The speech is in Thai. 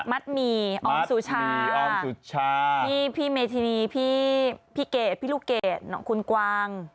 มัดหมี่ออมสุชาพี่เมธินีพี่เกดพี่ลูกเกดคุณกวาง